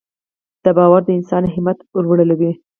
دا باور د انسان همت ورلوړوي.